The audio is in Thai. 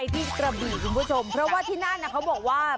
ที่กระบี่คุณผู้ชมเพราะว่าที่นั่นเขาบอกว่า